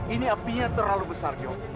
ini apinya terlalu besar jo